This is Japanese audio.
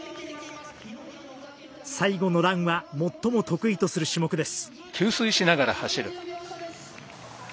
最後のランは最も得意とする種目です。